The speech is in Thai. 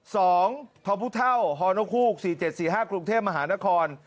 ส่องทะพุท่าวฮคุก๔๗๔๕กรุงเทพมหานคร